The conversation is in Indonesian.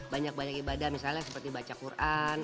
banyak banyak ibadah misalnya seperti baca quran